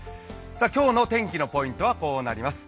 今日の天気のポイントはこうなります。